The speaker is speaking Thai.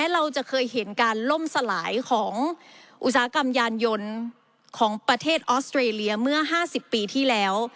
เราจะเคยเห็นการล่มสลายของอุตสาหกรรมยานยนต์ของประเทศออสเตรเลียเมื่อ๕๐ปีที่แล้ว